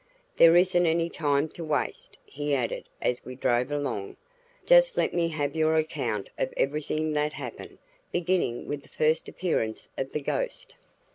"There isn't any time to waste," he added as we drove along. "Just let me have your account of everything that happened, beginning with the first appearance of the ghost."